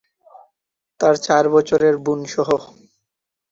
তাঁর চার বছরের বোন সহ।